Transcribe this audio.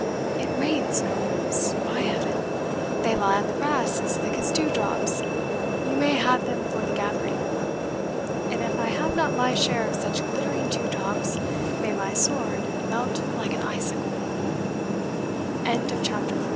It rains nobles, by Heaven they lie on the grass as thick as dewdrops you may have them for gathering. And if I have not my share of such glittering dewdrops, may my sword melt like an icicle!" CHAPTER V.